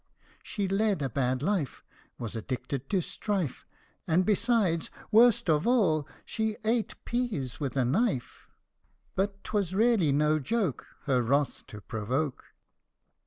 She led a bad life, Was addicted to strife, And besides worst of all she ate peas with a knife ! But 'twas really no joke Her wrath to provoke.